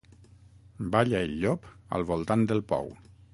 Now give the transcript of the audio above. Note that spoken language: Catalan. Balla el llop al voltant del pou.